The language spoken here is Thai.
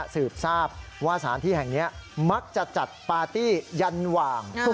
สืบทราบว่าสถานที่แห่งนี้มักจะจัดปาร์ตี้ยันหว่าง